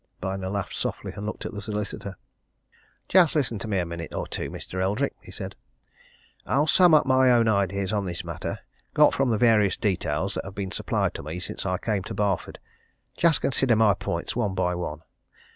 Byner laughed softly and looked at the solicitor. "Just listen to me a minute or two, Mr. Eldrick," he said. "I'll sum up my own ideas on this matter, got from the various details that have been supplied to me since I came to Barford. Just consider my points one by one.